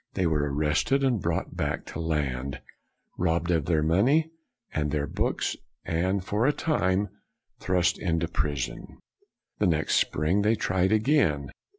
They were arrested and brought back to land, robbed of their money and their books, and for a time thrust into prison. The next spring they tried again.